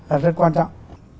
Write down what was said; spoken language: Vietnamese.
là rất quan trọng